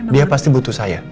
dia pasti butuh saya